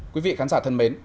quý vị khán giả thân mến